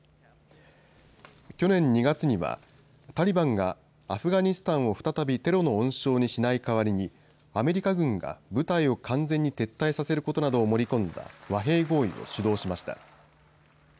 去年２月にはタリバンがアフガニスタンを再びテロの温床にしない代わりにアメリカ軍が部隊を完全に撤退させることなどを盛り込んだ和平合意を主導しました。